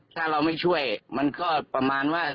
ถ้าเราไม่ช่วยมันก็ประมาณว่า